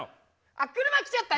あ車来ちゃった。